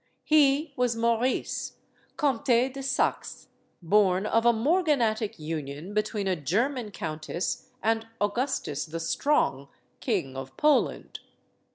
He was Maurice, Comte de Saxe, born of a morganatic union between a German countess and Augustus the Strong, King of Poland.